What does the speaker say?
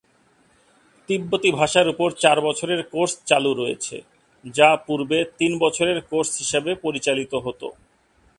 তিব্বতি ভাষার উপর চার বছরের কোর্স চালু রয়েছে, যা পূর্বে তিন বছরের কোর্স হিসেবে পরিচালিত হত।